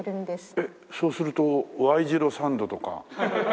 えっそうするとＹ字路サンドとか。